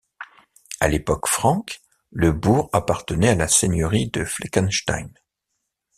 À l'époque franque, le bourg appartenait à la seigneurie de Fleckenstein.